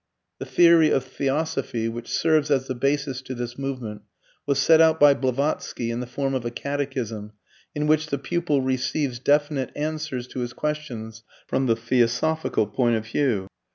The theory of Theosophy which serves as the basis to this movement was set out by Blavatsky in the form of a catechism in which the pupil receives definite answers to his questions from the theosophical point of view.